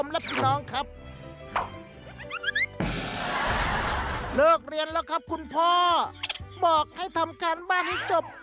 แล้วครับคุณพ่อบอกให้ทำการบ้านให้จบ